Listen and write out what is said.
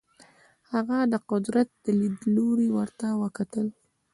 هغه د قدرت له لیدلوري ورته وکتل.